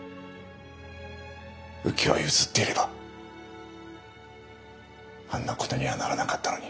浮き輪を譲っていればあんなことにはならなかったのに。